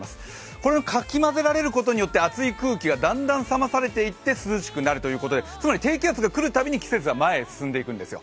これにかき混ぜられることによってだんだん涼しくなるということでつまり低気圧が来るたびに季節が前に進んでいくんですよ。